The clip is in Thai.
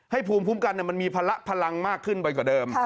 ให้ภูมิภูมิกันมันมีพละพลังมากขึ้นบ่อยกว่าเดิม